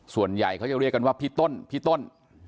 ส่วนใหญ่เขาจะเรียกกันว่าพี่ต้นพี่ต้น